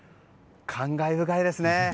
感慨深いですね。